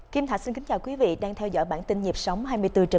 kim thạch xin kính chào quý vị đang theo dõi bản tin nhịp sóng hai mươi bốn h bảy